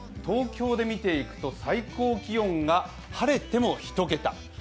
東京で見ていくと最高気温が晴れても１桁。